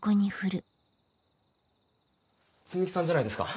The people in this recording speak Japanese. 摘木さんじゃないですか？